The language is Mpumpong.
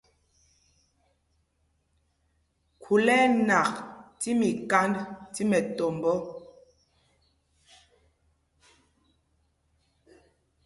Khūl ɛ́ ɛ́ nak tí mikánd tí mɛtɔmbɔ́.